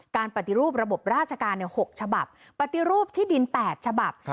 การปฏิรูประบบราชการในหกฉบับปฏิรูปที่ดินแปดฉบับค่ะ